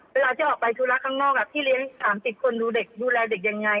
เวลาที่ออกไปธุระข้างนอกพี่เลี้ยง๓๐คนดูเด็กดูแลเด็กยังไง